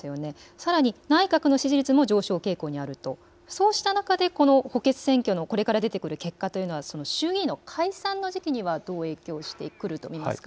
さらに内閣の支持率も上昇傾向にある、そうした中でこの補欠選挙のこれから出てくる結果というのは衆議院の解散の時期にはどう影響してくると見ますか。